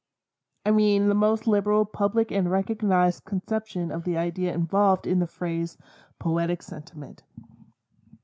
I mean the most liberal public or recognized conception of the idea involved in the phrase "poetic sentiment."